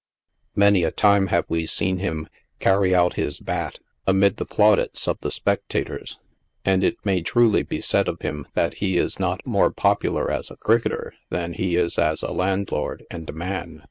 Many a time have we seen him " carry out his bat," amid the plau dits of the spectators ; and it may truly be said of him that he is not more popular as a cricketer than he is as a landlord and a man.